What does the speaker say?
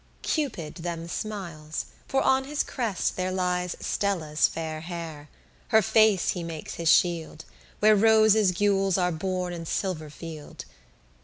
Cupid them smiles, for on his crest there lies Stella's fair hair, her face he makes his shield, Where roses gules are borne in silver field.